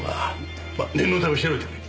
念のため調べてくれ。